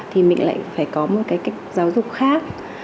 thì mình lại phải có một cái cách giáo dục khác